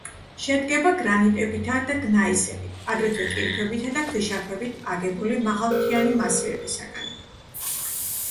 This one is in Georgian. შედგება გრანიტებითა და გნაისებით, აგრეთვე კირქვებითა და ქვიშაქვებით აგებული მაღალმთიანი მასივებისაგან.